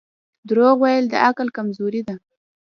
• دروغ ویل د عقل کمزوري ده.